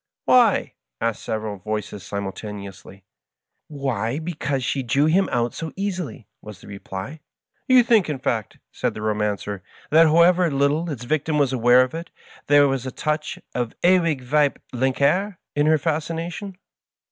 "Why?" asked several voices simultaneously. "Why, because she drew him out so easily," was the reply. " You think, in fact," said the Romancer, " that however little its victim was aware of it, there was a touch of the Ewig weibliche in her fascination